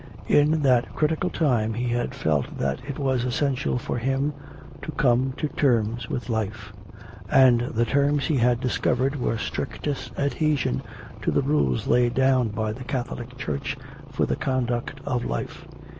In that critical time he had felt that it was essential for him 'to come to terms with life.' And the terms he had discovered were strictest adhesion to the rules laid down by the Catholic Church for the conduct of life.